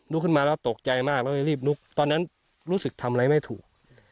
ขึ้นมาแล้วตกใจมากแล้วก็รีบลุกตอนนั้นรู้สึกทำอะไรไม่ถูก